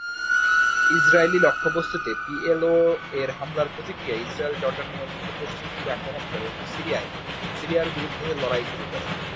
Israeli লক্ষ্যবস্তুতে PLO এর হামলার প্রতিক্রিয়ায় ইসরায়েল জর্ডান নিয়ন্ত্রিত পশ্চিম তীর আক্রমণ করে এবং সিরিয়ার বিরুদ্ধে লড়াই শুরু করে।